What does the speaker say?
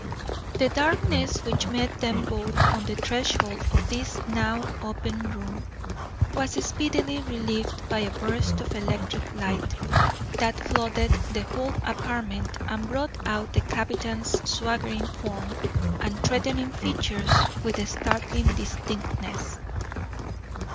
The darkness which met them both on the threshold of this now open room was speedily relieved by a burst of electric light, that flooded the whole apartment and brought out the captain's swaggering form and threatening features with startling distinctness.